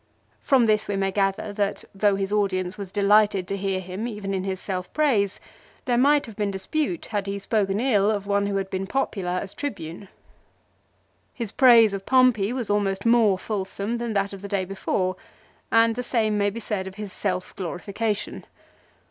From this we may gather that though his audience was delighted to hear him even in his self praise, there might have been dispute had he spoken ill of one who had been popular as Tribune. His praise of Pompey was almost more fulsome than that of the day before, and the same may be said of his self glorification.